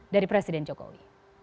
dari presiden jokowi